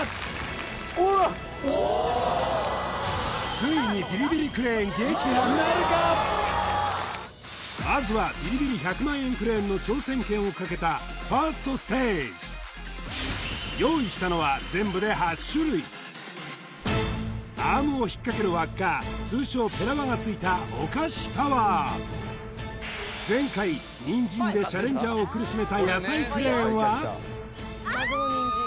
ついにまずはビリビリ１００万円クレーンの挑戦権をかけたファーストステージ用意したのは全部で８種類アームを引っかける輪っか通称前回ニンジンでチャレンジャーを苦しめた野菜クレーンはああ！